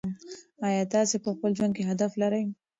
آیا تاسې په خپل ژوند کې هدف لرئ؟